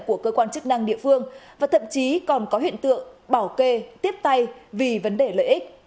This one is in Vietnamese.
của cơ quan chức năng địa phương và thậm chí còn có hiện tượng bảo kê tiếp tay vì vấn đề lợi ích